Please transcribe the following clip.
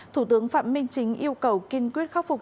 thủ tướng phạm minh chính yêu cầu kiên quyết khắc phục